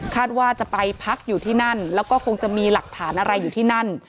ว่าจะไปพักอยู่ที่นั่นแล้วก็คงจะมีหลักฐานอะไรอยู่ที่นั่น